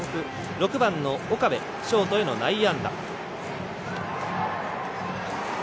６番の岡部ショートへの内野安打。